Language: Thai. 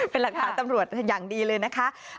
เป็นหลักฐานตำรวจอย่างดีเลยนะคะ